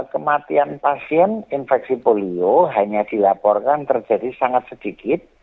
kematian pasien infeksi polio hanya dilaporkan terjadi sangat sedikit